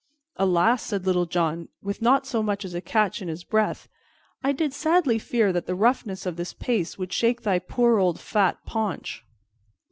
"Alas," said Little John, with not so much as a catch in his breath, "I did sadly fear that the roughness of this pace would shake thy poor old fat paunch."